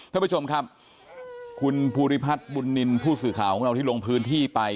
ท่านผู้ชมครับคุณภูริพัฒน์บุญนินทร์ผู้สื่อข่าวของเราที่ลงพื้นที่ไป